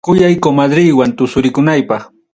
Kuyay comadreywan tusurikunaypaq.